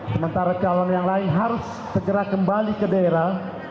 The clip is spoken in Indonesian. sementara calon yang lain harus segera kembali ke daerah